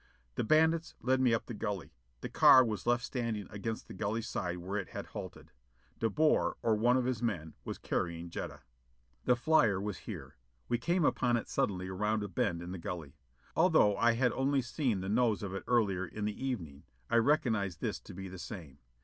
The bandits led me up the gully. The car was left standing against the gully side where it had halted. De Boer, or one of his men, was carrying Jetta. The flyer was here. We came upon it suddenly around a bend in the gully. Although I had only seen the nose if it earlier in the evening. I recognized this to be the same.